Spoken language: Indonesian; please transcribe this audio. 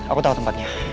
aku tau tempatnya